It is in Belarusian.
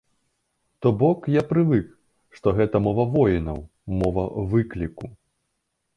То бок, я прывык, што гэта мова воінаў, мова выкліку.